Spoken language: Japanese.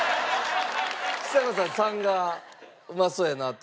ちさ子さん３がうまそうやなと？